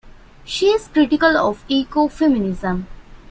She is critical of eco-feminism.